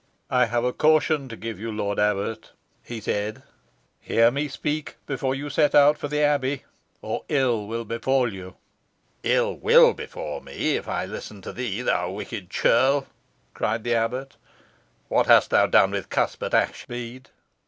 "I have a caution to give you, lord abbot," he said; "hear me speak before you set out for the abbey, or ill will befall you." "Ill will befall me if I listen to thee, thou wicked churl," cried the abbot. "What hast thou done with Cuthbert Ashbead?"